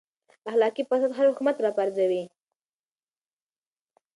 اخلاقي فساد هر حکومت راپرځوي.